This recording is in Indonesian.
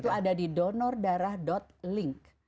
itu ada di donordarah link